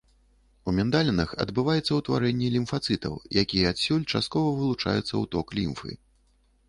У міндалінах адбываецца ўтварэнне лімфацытаў, якія адсюль часткова вылучаюцца ў ток лімфы.